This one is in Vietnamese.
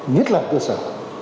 nhất là cơ sở